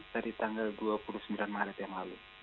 dari tanggal dua puluh sembilan maret yang lalu